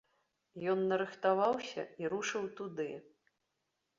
Ён нарыхтаваўся і рушыў туды.